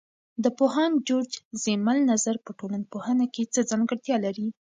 د پوهاند جورج زیمل نظر په ټولنپوهنه کې څه ځانګړتیا لري؟